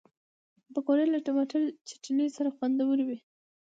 پکورې له ټماټر چټني سره خوندورې وي